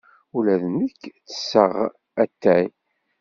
Ula d nekk ttesseɣ atay.